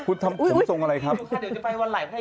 คุณทำขุมทรงอะไรครับอุ๊ยคุณคะเดี๋ยวจะไปวันไหล่